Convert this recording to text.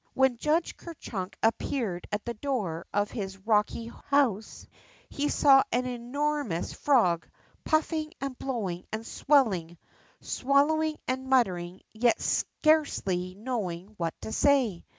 '' When Judge Ker Chunk appeared at the door of his rocky house, he saw an enormous frog puffing and blowing and swelling, swallowing and muttering, yet scarcely knowing what to say.